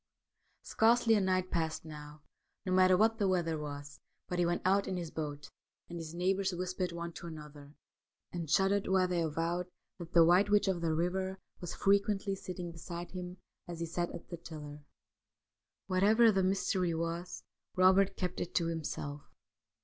Scarcely a night passed now, no matter what the weather was, but he went out in his boat, and his neighbours whispered one to another — and shuddered while they avowed — that the White Witch of the Eiver was frequently sitting beside him as he sat at the tiller. Whatever the mystery was, Eobert kept it to himself.